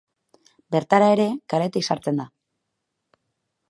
Bertara ere kaletik sartzen da.